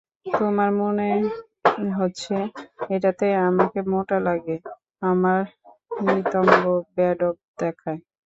তোমার মনে হচ্ছে এটাতে আমাকে মোটা লাগে, আমার নিতম্ব বেঢপ দেখায়।